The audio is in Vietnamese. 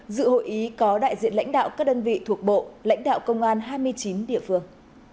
dự hội ý có đại diện lãnh đạo các đơn vị thuộc bộ lãnh đạo công an hai mươi chín địa phương